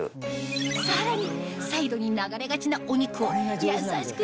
さらにサイドに流れがちなお肉をやさしく